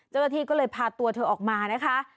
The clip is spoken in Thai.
เจ้าหน้าที่ก็เลยพาตัวเธอออกมานะคะ